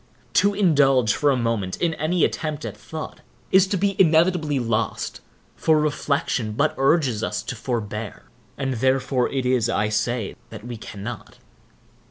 To indulge, for a moment, in any attempt at thought, is to be inevitably lost; for reflection but urges us to forbear, and therefore it is, I say, that we cannot.